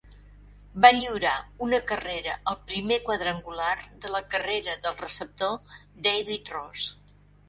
Va lliurar una carrera al primer quadrangular de la carrera del receptor David Ross.